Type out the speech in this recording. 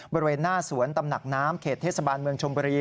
บริเวณหน้าสวนตำหนักน้ำเขตเทศบาลเมืองชมบุรี